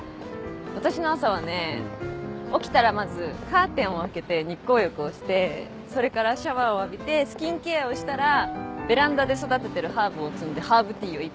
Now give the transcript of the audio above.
私の朝はね起きたらまずカーテンを開けて日光浴をしてそれからシャワーを浴びてスキンケアをしたらベランダで育ててるハーブを摘んでハーブティーを１杯。